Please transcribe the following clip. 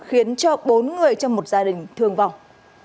khiến bốn người trong một gia đình thương vọng